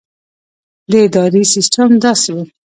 د ادارې سسټم داسې وو.